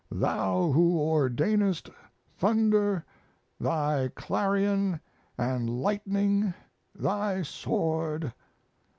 Thou who ordainest, Thunder, Thy clarion, and lightning, Thy sword!